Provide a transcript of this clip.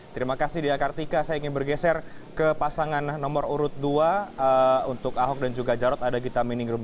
terima kasih dea kartika saya ingin bergeser ke pasangan nomor urut dua untuk ahok dan juga jarot ada gita miningrum